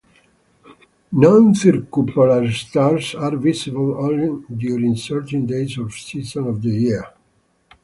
Non-circumpolar stars are visible only during certain days or seasons of the year.